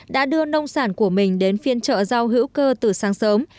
đã đưa nông sản của mình đến phiên chợ rau hữu cơ từ sáng sớm